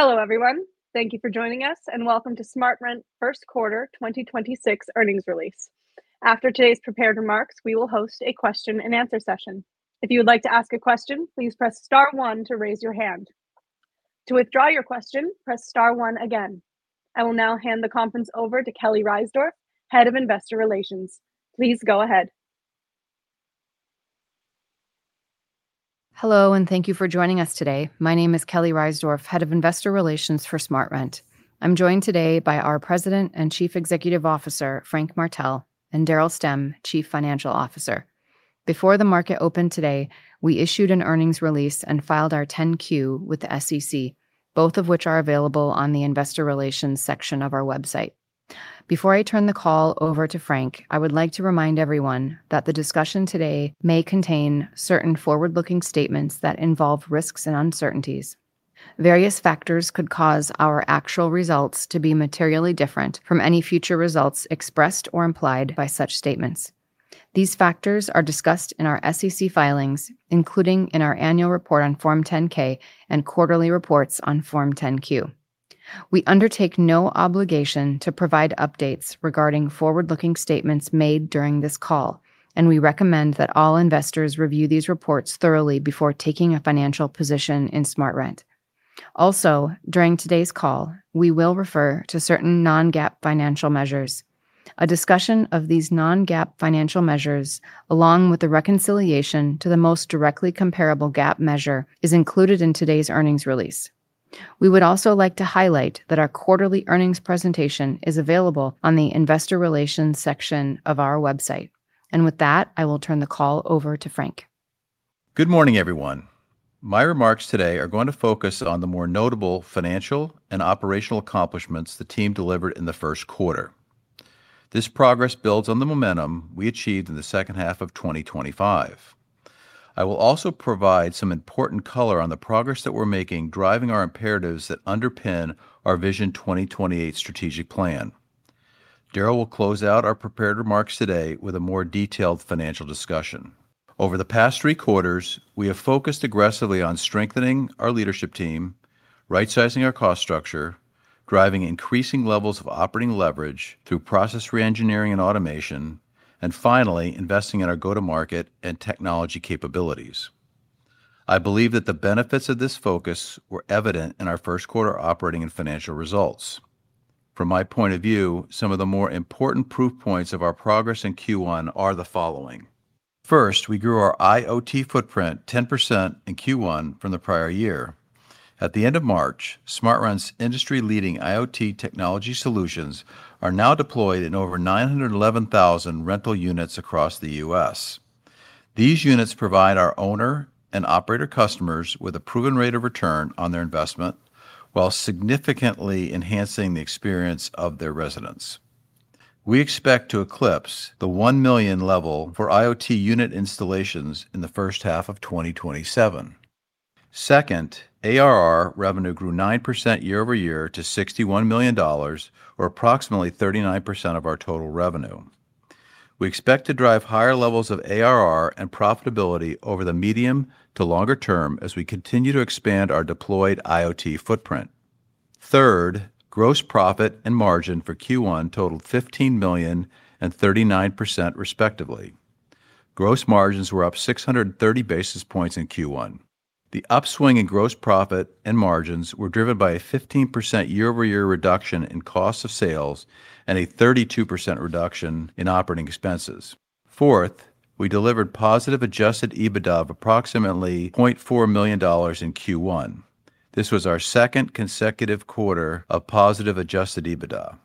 Hello, everyone. Thank you for joining us, and welcome to SmartRent first quarter 2026 earnings release. After today's prepared remarks, we will host a question and answer session. If you would like to ask a question, please press star one to raise your hand. To withdraw your question, press star one again. I will now hand the conference over to Kelly Reisdorf, Head of Investor Relations. Please go ahead. Hello, and thank you for joining us today. My name is Kelly Reisdorf, Head of Investor Relations for SmartRent. I'm joined today by our President and Chief Executive Officer, Frank Martell, and Daryl Stemm, Chief Financial Officer. Before the market opened today, we issued an earnings release and filed our 10-Q with the SEC, both of which are available on the investor relations section of our website. Before I turn the call over to Frank, I would like to remind everyone that the discussion today may contain certain forward-looking statements that involve risks and uncertainties. Various factors could cause our actual results to be materially different from any future results expressed or implied by such statements. These factors are discussed in our SEC filings, including in our annual report on Form 10-K and quarterly reports on Form 10-Q. We undertake no obligation to provide updates regarding forward-looking statements made during this call, and we recommend that all investors review these reports thoroughly before taking a financial position in SmartRent. During today's call, we will refer to certain non-GAAP financial measures. A discussion of these non-GAAP financial measures, along with the reconciliation to the most directly comparable GAAP measure, is included in today's earnings release. We would also like to highlight that our quarterly earnings presentation is available on the investor relations section of our website. With that, I will turn the call over to Frank. Good morning, everyone. My remarks today are going to focus on the more notable financial and operational accomplishments the team delivered in the first quarter. This progress builds on the momentum we achieved in the second half of 2025. I will also provide some important color on the progress that we're making driving our imperatives that underpin our Vision 2028 strategic plan. Daryl will close out our prepared remarks today with a more detailed financial discussion. Over the past three quarters, we have focused aggressively on strengthening our leadership team, right-sizing our cost structure, driving increasing levels of operating leverage through process reengineering and automation, and finally, investing in our go-to-market and technology capabilities. I believe that the benefits of this focus were evident in our first quarter operating and financial results. From my point of view, some of the more important proof points of our progress in Q1 are the following. First, we grew our IoT footprint 10% in Q1 from the prior year. At the end of March, SmartRent's industry-leading IoT technology solutions are now deployed in over 911,000 rental units across the U.S. These units provide our owner and operator customers with a proven rate of return on their investment while significantly enhancing the experience of their residents. We expect to eclipse the 1 million level for IoT unit installations in the first half of 2027. Second, ARR revenue grew 9% year-over-year to $61 million or approximately 39% of our total revenue. We expect to drive higher levels of ARR and profitability over the medium to longer term as we continue to expand our deployed IoT footprint. Third, gross profit and margin for Q1 totaled $15 million and 39% respectively. Gross margins were up 630 basis points in Q1. The upswing in gross profit and margins were driven by a 15% year-over-year reduction in cost of sales and a 32% reduction in operating expenses. Fourth, we delivered positive adjusted EBITDA of approximately $0.4 million in Q1. This was our second consecutive quarter of positive adjusted EBITDA.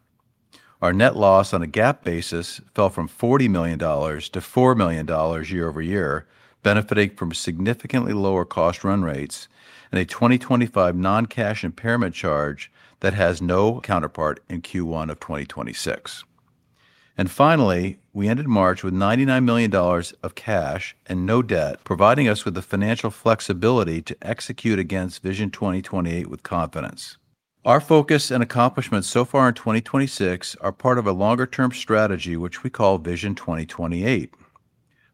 Our net loss on a GAAP basis fell from $40 million to $4 million year-over-year, benefiting from significantly lower cost run rates and a 2025 non-cash impairment charge that has no counterpart in Q1 of 2026. Finally, we ended March with $99 million of cash and no debt, providing us with the financial flexibility to execute against Vision 2028 with confidence. Our focus and accomplishments so far in 2026 are part of a longer-term strategy which we call Vision 2028.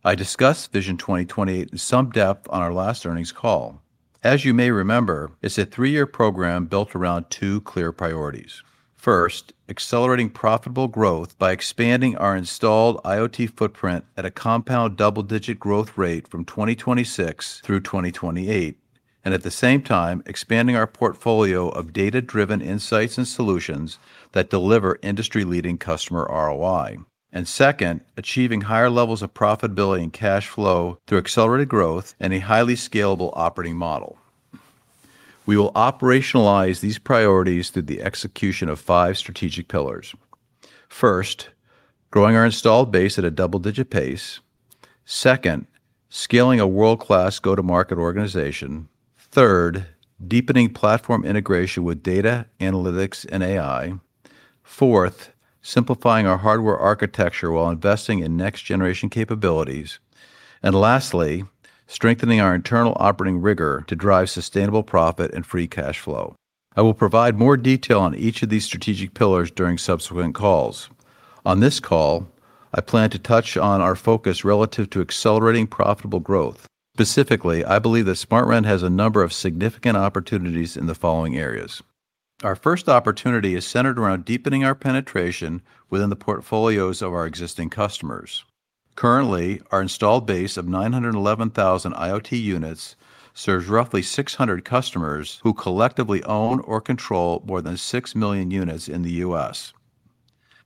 I discussed Vision 2028 in some depth on our last earnings call. As you may remember, it's a three-year program built around two clear priorities. First, accelerating profitable growth by expanding our installed IoT footprint at a compound double-digit growth rate from 2026 through 2028, and at the same time, expanding our portfolio of data-driven insights and solutions that deliver industry-leading customer ROI. Second, achieving higher levels of profitability and cash flow through accelerated growth and a highly scalable operating model. We will operationalize these priorities through the execution of five strategic pillars. First, growing our installed base at a double-digit pace. Second, scaling a world-class go-to-market organization. Third, deepening platform integration with data, analytics, and AI. Fourth, simplifying our hardware architecture while investing in next-generation capabilities. Lastly, strengthening our internal operating rigor to drive sustainable profit and free cash flow. I will provide more detail on each of these strategic pillars during subsequent calls. On this call, I plan to touch on our focus relative to accelerating profitable growth. Specifically, I believe that SmartRent has a number of significant opportunities in the following areas. Our first opportunity is centered around deepening our penetration within the portfolios of our existing customers. Currently, our installed base of 911,000 IoT units serves roughly 600 customers who collectively own or control more than 6 million units in the U.S.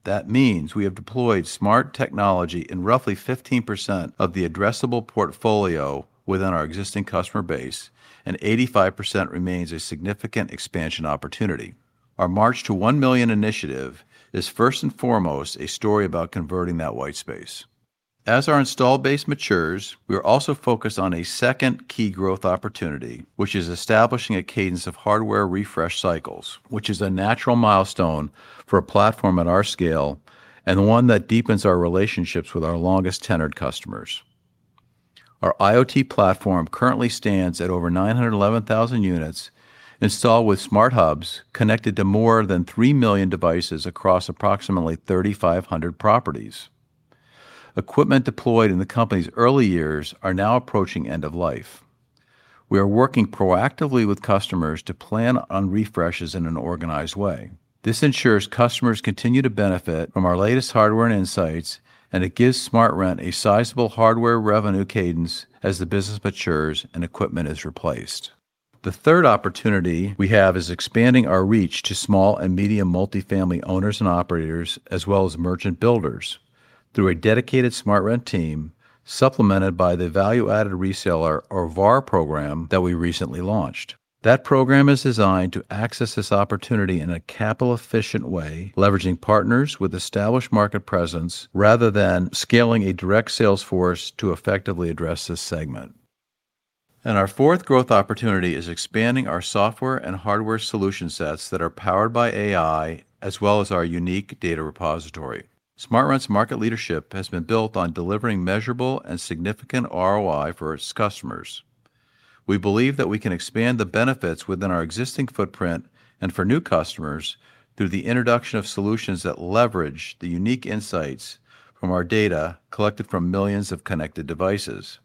That means we have deployed smart technology in roughly 15% of the addressable portfolio within our existing customer base, and 85% remains a significant expansion opportunity. Our March to 1 Million initiative is first and foremost a story about converting that white space. As our installed base matures, we are also focused on a second key growth opportunity, which is establishing a cadence of hardware refresh cycles, which is a natural milestone for a platform at our scale and one that deepens our relationships with our longest-tenured customers. Our IoT platform currently stands at over 911,000 units installed with Smart Hubs connected to more than 3 million devices across approximately 3,500 properties. Equipment deployed in the company's early years are now approaching end of life. We are working proactively with customers to plan on refreshes in an organized way. This ensures customers continue to benefit from our latest hardware and insights, and it gives SmartRent a sizable hardware revenue cadence as the business matures and equipment is replaced. The third opportunity we have is expanding our reach to small and medium multifamily owners and operators as well as merchant builders through a dedicated SmartRent team supplemented by the value-added reseller or VAR program that we recently launched. That program is designed to access this opportunity in a capital-efficient way, leveraging partners with established market presence rather than scaling a direct sales force to effectively address this segment. Our fourth growth opportunity is expanding our software and hardware solution sets that are powered by AI as well as our unique data repository. SmartRent's market leadership has been built on delivering measurable and significant ROI for its customers. We believe that we can expand the benefits within our existing footprint and for new customers through the introduction of solutions that leverage the unique insights from our data collected from millions of connected devices.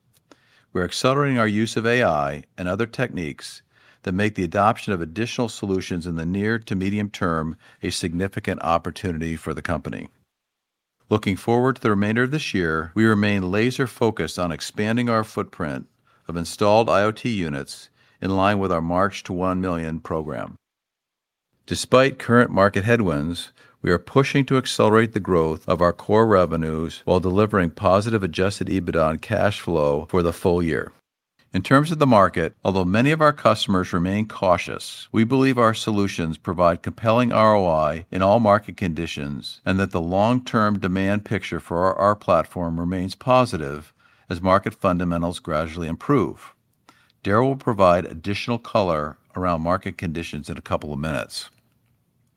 We're accelerating our use of AI and other techniques that make the adoption of additional solutions in the near to medium term a significant opportunity for the company. Looking forward to the remainder of this year, we remain laser-focused on expanding our footprint of installed IoT units in line with our March to 1 Million program. Despite current market headwinds, we are pushing to accelerate the growth of our core revenues while delivering positive adjusted EBITDA and cash flow for the full-year. In terms of the market, although many of our customers remain cautious, we believe our solutions provide compelling ROI in all market conditions and that the long-term demand picture for our platform remains positive as market fundamentals gradually improve. Daryl will provide additional color around market conditions in a couple of minutes.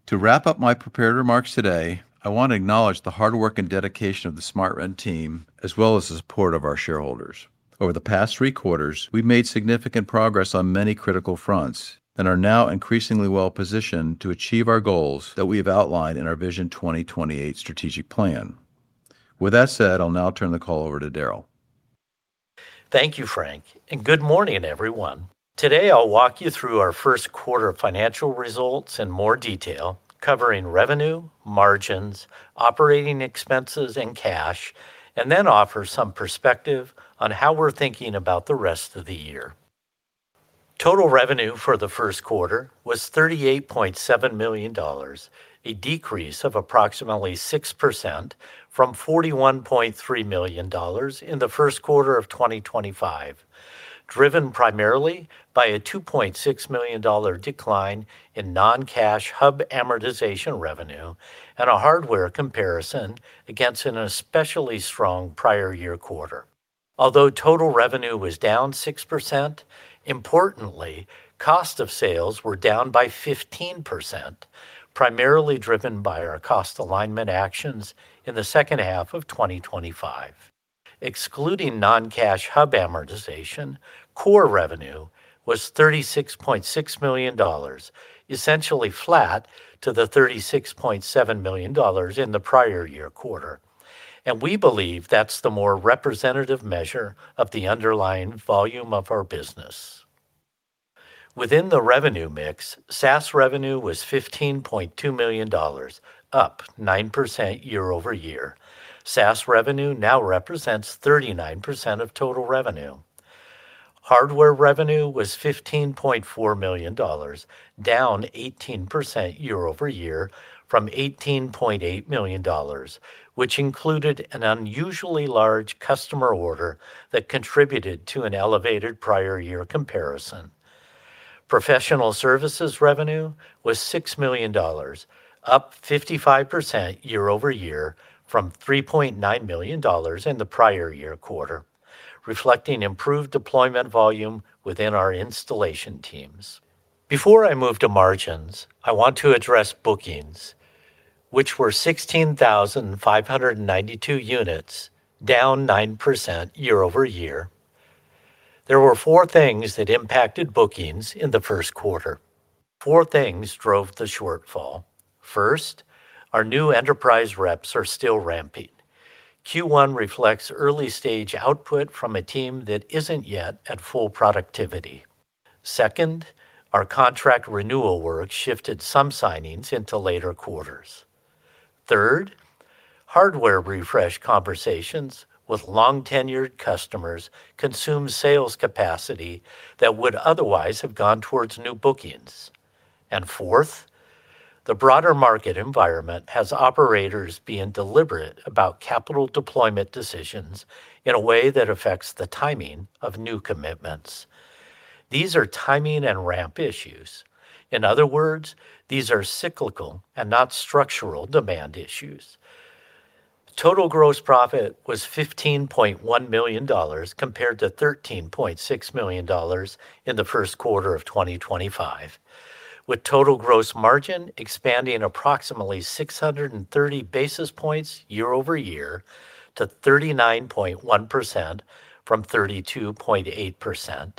To wrap up my prepared remarks today, I want to acknowledge the hard work and dedication of the SmartRent team as well as the support of our shareholders. Over the past three quarters, we've made significant progress on many critical fronts and are now increasingly well positioned to achieve our goals that we have outlined in our Vision 2028 strategic plan. With that said, I'll now turn the call over to Daryl. Thank you, Frank, and good morning, everyone. Today, I'll walk you through our first quarter financial results in more detail, covering revenue, margins, operating expenses, and cash, and then offer some perspective on how we're thinking about the rest of the year. Total revenue for the first quarter was $38.7 million, a decrease of approximately 6% from $41.3 million in the first quarter of 2025, driven primarily by a $2.6 million decline in non-cash hub amortization revenue and a hardware comparison against an especially strong prior year quarter. Although total revenue was down 6%, importantly, cost of sales were down by 15%, primarily driven by our cost alignment actions in the second half of 2025. Excluding non-cash hub amortization, core revenue was $36.6 million, essentially flat to the $36.7 million in the prior year quarter. We believe that's the more representative measure of the underlying volume of our business. Within the revenue mix, SaaS revenue was $15.2 million, up 9% year-over-year. SaaS revenue now represents 39% of total revenue. Hardware revenue was $15.4 million, down 18% year-over-year from $18.8 million, which included an unusually large customer order that contributed to an elevated prior year comparison. Professional services revenue was $6 million, up 55% year-over-year from $3.9 million in the prior year quarter, reflecting improved deployment volume within our installation teams. Before I move to margins, I want to address bookings, which were 16,592 units, down 9% year-over-year. There were four things that impacted bookings in the first quarter. Four things drove the shortfall. First, our new enterprise reps are still ramping. Q1 reflects early-stage output from a team that isn't yet at full productivity. Second, our contract renewal work shifted some signings into later quarters. Third, hardware refresh conversations with long-tenured customers consume sales capacity that would otherwise have gone towards new bookings. Fourth, the broader market environment has operators being deliberate about capital deployment decisions in a way that affects the timing of new commitments. These are timing and ramp issues. In other words, these are cyclical and not structural demand issues. Total gross profit was $15.1 million compared to $13.6 million in the first quarter of 2025, with total gross margin expanding approximately 630 basis points year-over-year to 39.1% from 32.8%.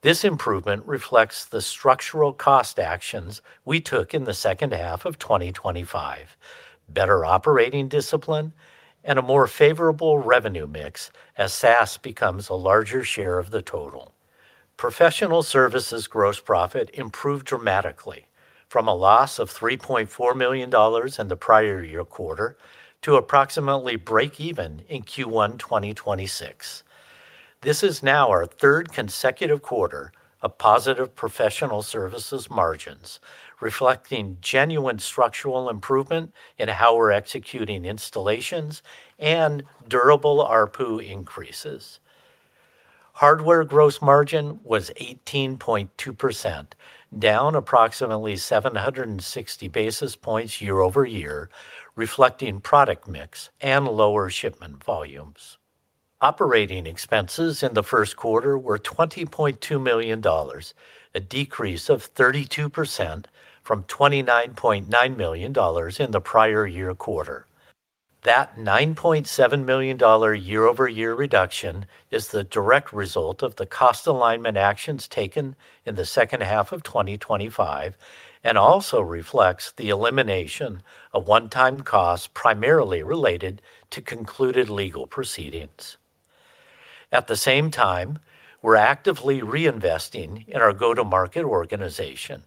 This improvement reflects the structural cost actions we took in the second half of 2025, better operating discipline, and a more favorable revenue mix as SaaS becomes a larger share of the total. Professional services gross profit improved dramatically from a loss of $3.4 million in the prior year quarter to approximately break even in Q1 2026. This is now our third consecutive quarter of positive professional services margins, reflecting genuine structural improvement in how we're executing installations and durable ARPU increases. Hardware gross margin was 18.2%, down approximately 760 basis points year-over-year, reflecting product mix and lower shipment volumes. Operating expenses in the first quarter were $20.2 million, a decrease of 32% from $29.9 million in the prior year quarter. That $9.7 million year-over-year reduction is the direct result of the cost alignment actions taken in the second half of 2025 and also reflects the elimination of one-time costs primarily related to concluded legal proceedings. At the same time, we're actively reinvesting in our go-to-market organization,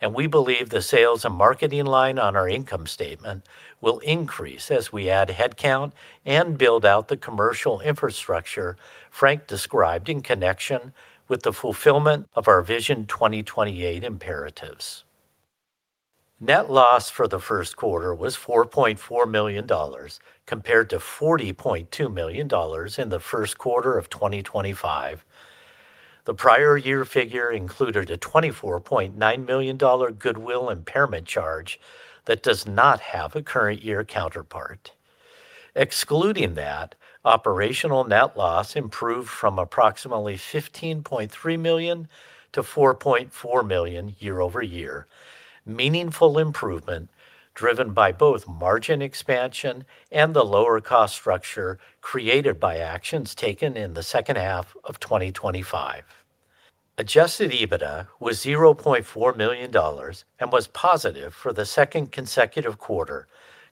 and we believe the sales and marketing line on our income statement will increase as we add headcount and build out the commercial infrastructure Frank described in connection with the fulfillment of our Vision 2028 imperatives. Net loss for the first quarter was $4.4 million compared to $40.2 million in the first quarter of 2025. The prior year figure included a $24.9 million goodwill impairment charge that does not have a current year counterpart. Excluding that, operational net loss improved from approximately $15.3 million to $4.4 million year-over-year, meaningful improvement driven by both margin expansion and the lower cost structure created by actions taken in the second half of 2025. Adjusted EBITDA was $0.4 million and was positive for the second consecutive quarter,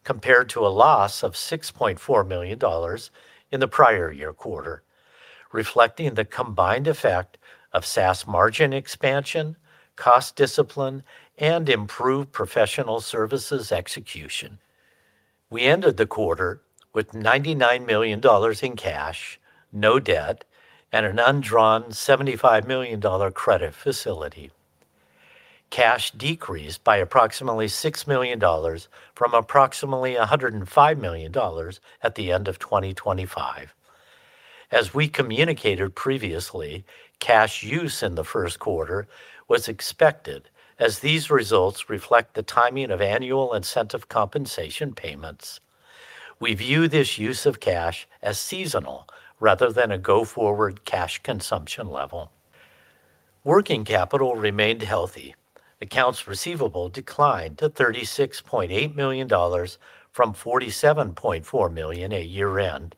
compared to a loss of $6.4 million in the prior year quarter, reflecting the combined effect of SaaS margin expansion, cost discipline, and improved professional services execution. We ended the quarter with $99 million in cash, no debt, and an undrawn $75 million credit facility. Cash decreased by approximately $6 million from approximately $105 million at the end of 2025. As we communicated previously, cash use in the first quarter was expected as these results reflect the timing of annual incentive compensation payments. We view this use of cash as seasonal rather than a go-forward cash consumption level. Working capital remained healthy. Accounts receivable declined to $36.8 million from $47.4 million at year-end,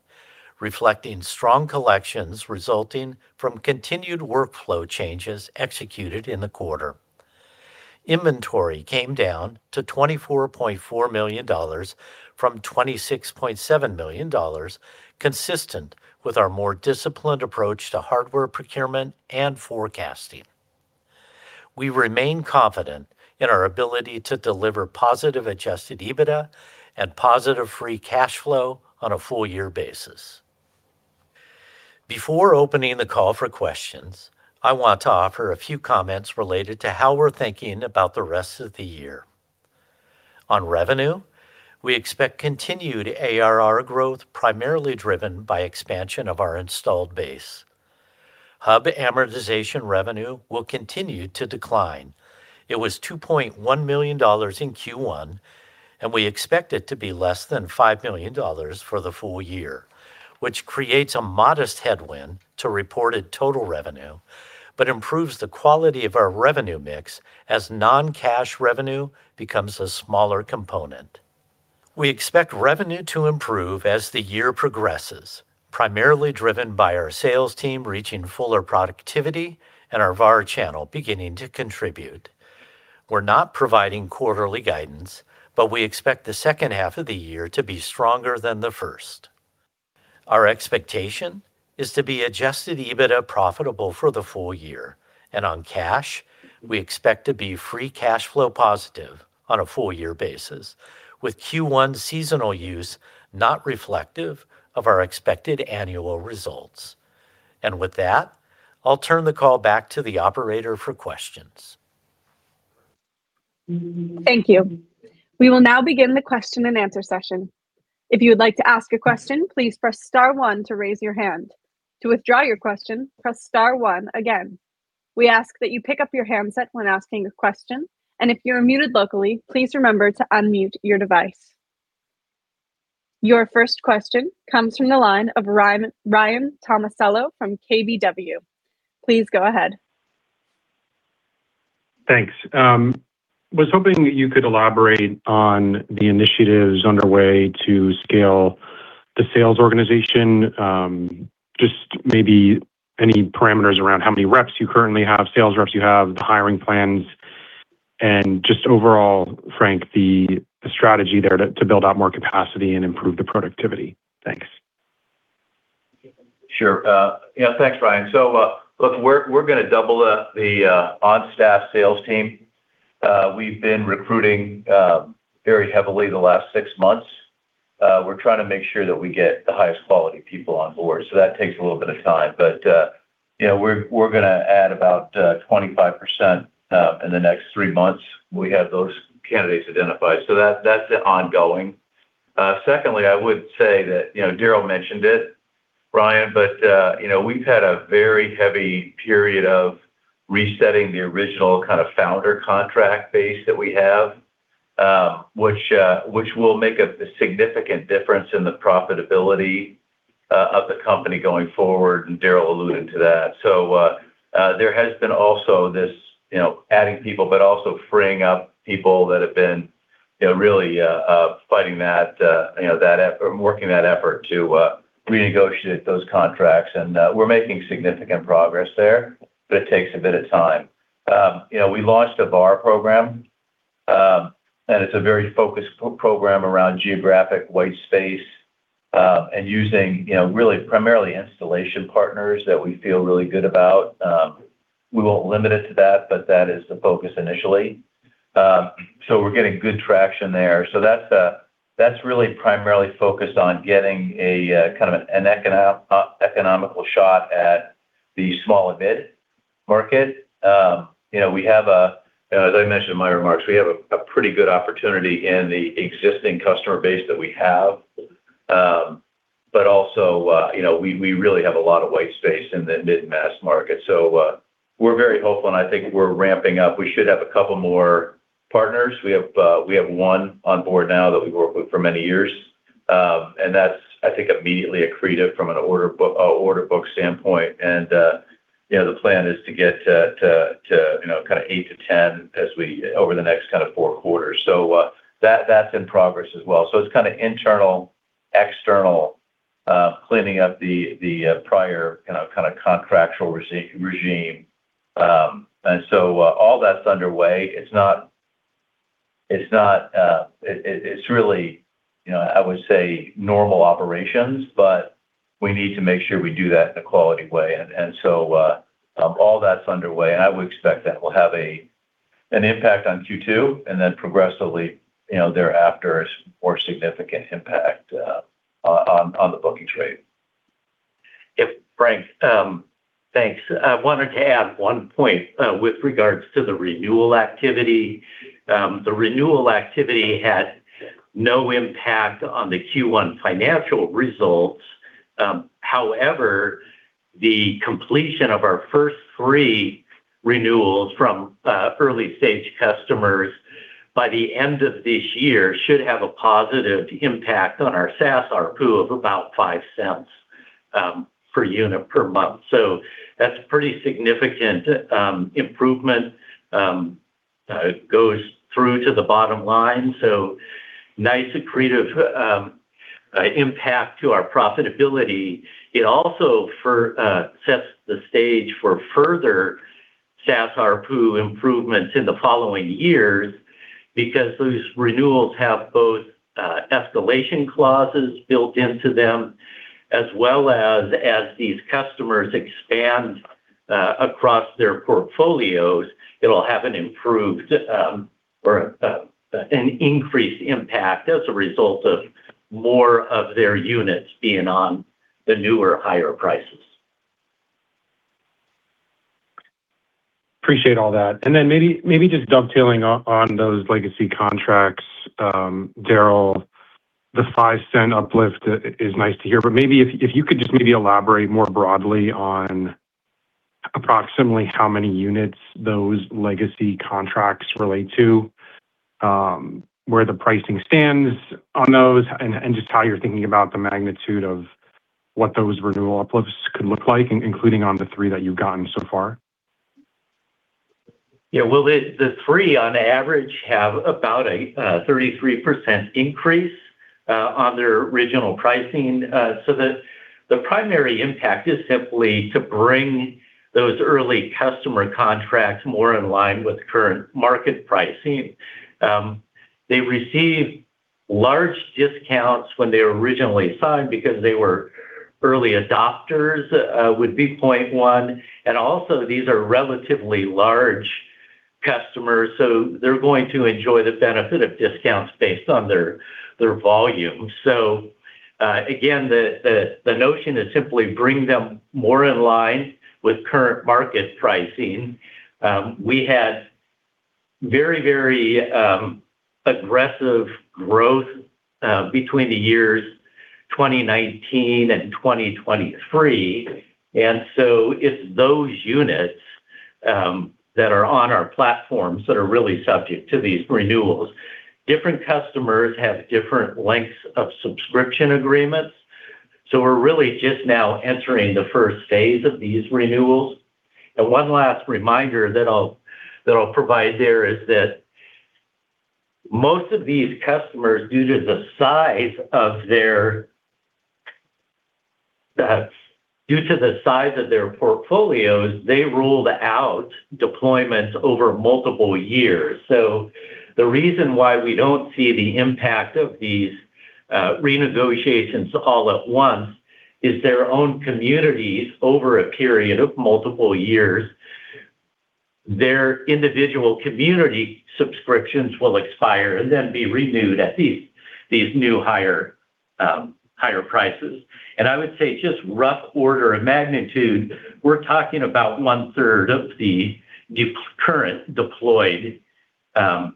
reflecting strong collections resulting from continued workflow changes executed in the quarter. Inventory came down to $24.4 million from $26.7 million, consistent with our more disciplined approach to hardware procurement and forecasting. We remain confident in our ability to deliver positive adjusted EBITDA and positive free cash flow on a full-year basis. Before opening the call for questions, I want to offer a few comments related to how we're thinking about the rest of the year. On revenue, we expect continued ARR growth, primarily driven by expansion of our installed base. Hub amortization revenue will continue to decline. It was $2.1 million in Q1, and we expect it to be less than $5 million for the full-year, which creates a modest headwind to reported total revenue but improves the quality of our revenue mix as non-cash revenue becomes a smaller component. We expect revenue to improve as the year progresses, primarily driven by our sales team reaching fuller productivity and our VAR channel beginning to contribute. We're not providing quarterly guidance, but we expect the second half of the year to be stronger than the first. Our expectation is to be adjusted EBITDA profitable for the full-year. On cash, we expect to be free cash flow positive on a full-year basis, with Q1 seasonal use not reflective of our expected annual results. With that, I'll turn the call back to the operator for questions. Thank you. We will now begin the question and answer session. If you would like to ask a question, please press star one to raise your hand. To withdraw your question, press star one again. We ask that you pick up your handset when asking a question. If you're muted locally, please remember to unmute your device. Your first question comes from the line of Ryan Tomasello from KBW. Please go ahead. Thanks. Was hoping you could elaborate on the initiatives underway to scale the sales organization. Just maybe any parameters around how many reps you currently have, sales reps you have, the hiring plans, and just overall, Frank, the strategy there to build out more capacity and improve the productivity. Thanks. Sure. Yeah, thanks, Ryan. Look, we're gonna double the on-staff sales team. We've been recruiting very heavily the last six months. We're trying to make sure that we get the highest quality people on board, so that takes a little bit of time. You know, we're gonna add about 25% in the next three months. We have those candidates identified. That's ongoing. Secondly, I would say that, you know, Daryl mentioned it, Ryan, but, you know, we've had a very heavy period of resetting the original kind of founder contract base that we have, which will make a significant difference in the profitability of the company going forward, and Daryl alluded to that. There has been also this, you know, adding people, but also freeing up people that have been, you know, really working that effort to renegotiate those contracts. We're making significant progress there, but it takes a bit of time. You know, we launched a VAR program, and it's a very focused program around geographic white space and using, you know, really primarily installation partners that we feel really good about. We won't limit it to that, but that is the focus initially. We're getting good traction there. That's really primarily focused on getting a kind of an economical shot at the small and mid-market. You know, we have a, as I mentioned in my remarks, we have a pretty good opportunity in the existing customer base that we have. Also, you know, we really have a lot of white space in the mid and mass market. We're very hopeful, and I think we're ramping up. We should have a couple more partners. We have one on board now that we've worked with for many years. That's, I think, immediately accretive from an order book standpoint. You know, the plan is to get to, you know, kind of eight to 10 over the next kind of four quarters. That's in progress as well. It's kinda internal, external, cleaning up the prior, you know, kinda contractual resi-regime. All that's underway. It's not, it's really, you know, I would say normal operations, but we need to make sure we do that in a quality way. All that's underway, and I would expect that will have an impact on Q2, and then progressively, you know, thereafter, a more significant impact on the bookings rate. Frank, thanks. I wanted to add one point with regards to the renewal activity. The renewal activity had no impact on the Q1 financial results. However, the completion of our first three renewals from early-stage customers by the end of this year should have a positive impact on our SaaS ARPU of about $0.05 per unit per month. That's pretty significant improvement, goes through to the bottom line, nice accretive impact to our profitability. It also sets the stage for further SaaS ARPU improvements in the following years because those renewals have both escalation clauses built into them, as well as these customers expand across their portfolios, it'll have an improved or an increased impact as a result of more of their units being on the newer higher prices. Appreciate all that. Then maybe just dovetailing on those legacy contracts, Daryl, the $0.05 uplift is nice to hear, but maybe if you could just maybe elaborate more broadly on approximately how many units those legacy contracts relate to, where the pricing stands on those, and just how you're thinking about the magnitude of what those renewal uplifts could look like, including on the three that you've gotten so far. Yeah, well, the three on average have about a 33% increase on their original pricing. The primary impact is simply to bring those early customer contracts more in line with current market pricing. They receive large discounts when they originally signed because they were early adopters, would be point one, and also these are relatively large customers, so they're going to enjoy the benefit of discounts based on their volume. Again, the notion is simply bring them more in line with current market pricing. We had very aggressive growth between the years 2019 and 2023. It's those units that are on our platforms that are really subject to these renewals. Different customers have different lengths of subscription agreements, so we're really just now entering the first phase of these renewals. One last reminder that I'll provide there is that most of these customers, due to the size of their, due to the size of their portfolios, they rolled out deployments over multiple years. The reason why we don't see the impact of these renegotiations all at once is their own communities over a period of multiple years. Their individual community subscriptions will expire and then be renewed at these new higher prices. I would say just rough order of magnitude, we're talking about 1/3 of the current deployed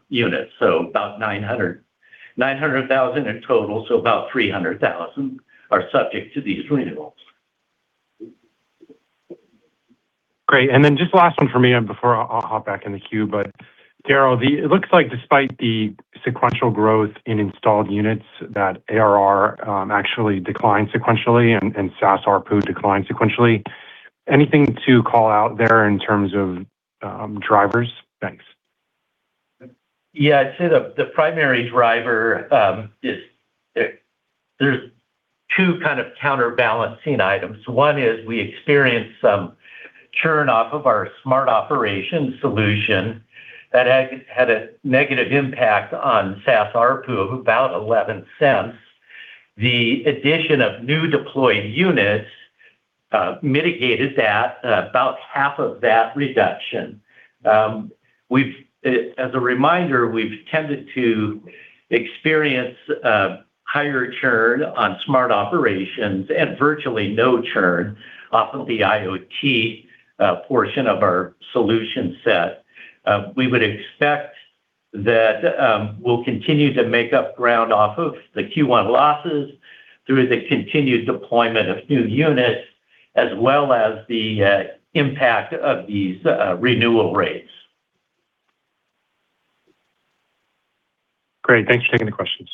units. About 900,000 in total, so about 300,000 are subject to these renewals. Great. Just last one for me and before I'll hop back in the queue. Daryl, it looks like despite the sequential growth in installed units that ARR actually declined sequentially and SaaS ARPU declined sequentially. Anything to call out there in terms of drivers? Thanks. I'd say the primary driver is two kind of counterbalancing items. One is we experienced some churn off of our Smart Operations solution that had a negative impact on SaaS ARPU of about $0.11. The addition of new deployed units mitigated about half of that reduction. We've, as a reminder, we've tended to experience higher churn on Smart Operations and virtually no churn off of the IoT portion of our solution set. We would expect that we'll continue to make up ground off of the Q1 losses through the continued deployment of new units as well as the impact of these renewal rates. Great. Thanks for taking the questions.